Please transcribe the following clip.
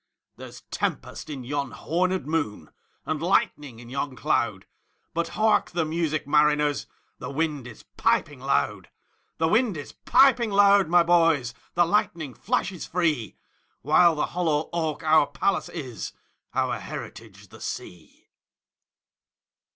There's tempest in yon hornèd moon, And lightning in yon cloud:But hark the music, mariners! The wind is piping loud; The wind is piping loud, my boys, The lightning flashes free—While the hollow oak our palace is, Our heritage the sea.